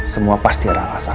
semua pasti ada alasan